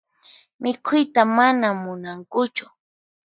Mikhuyta mana munankuchu.